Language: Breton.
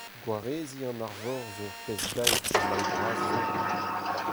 Gwareziñ an arvor zo ur pezh dae ha mall bras zo.